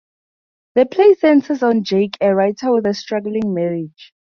The play centers on Jake, a writer with a struggling marriage.